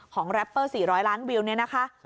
แรปเปอร์๔๐๐ล้านวิวเนี่ยนะคะ